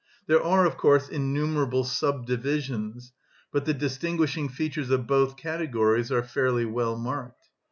There are, of course, innumerable sub divisions, but the distinguishing features of both categories are fairly well marked.